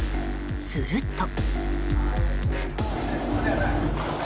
すると。